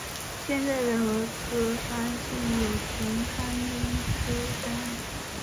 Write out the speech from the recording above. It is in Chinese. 现在的和歌山县有田川町出身。